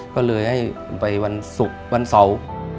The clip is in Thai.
ก็เลยให้ไปวันศุกร์วันเสาร์